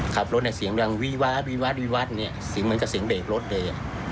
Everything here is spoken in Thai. ขับรถเสียงดังวีวัดเหมือนกับเสียงเด็กรถเลย